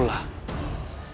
mencari kikala serenggi